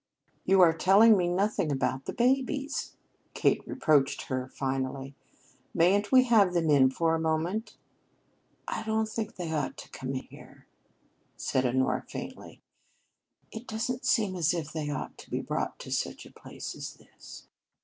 "You are telling me nothing about the babies," Kate reproached her finally. "Mayn't we have them in for a moment?" "I don't think they ought to come here," said Honora faintly. "It doesn't seem as if they ought to be brought to such a place as this."